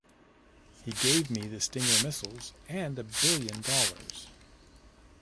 He gave me the Stinger missiles and a billion dollars!